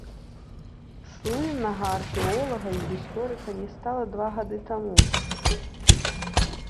Слыннага археолага і гісторыка не стала два гады таму.